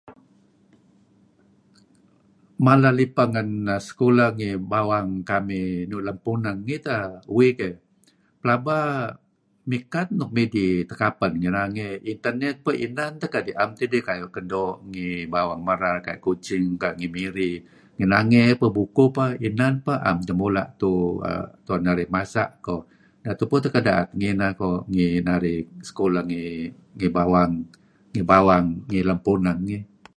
Mala lipa ngen sekulah ngi bawang kamih nuk lem puneng ngih uih keh, pelaba mikat nuk midih tekapen ngi nangey, inan peh koh na'em tidih kan doo' ngi bawang nuk merar kayu' ngi Kuching, kayu' ngi Miri . Ngi nangey bukuh peh na'em teh mula' tu'en narih masa' koh . Neh tupu teh ken da'et ngineh koh ngi narih sekulah ngi bawang ngi lem puneng ngih.